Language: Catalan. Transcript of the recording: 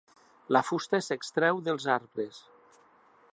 La fusta s'extreu dels arbres.